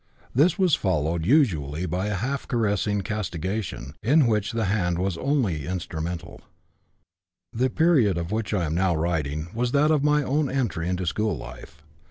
This was followed usually by a half caressing castigation, in which the hand only was instrumental. "The period of which I am now writing was that of my entry into school life.